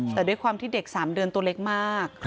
แต่ด้วยความที่เด็ก๓เดือนตัวเล็กมาก